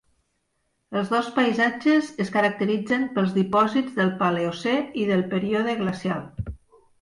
Els dos paisatges es caracteritzen pels dipòsits del Paleocè i del període glacial.